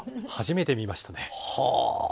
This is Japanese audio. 初めて見ましたね。